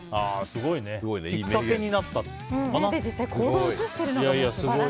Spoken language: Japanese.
すごいね。きっかけになったのかな。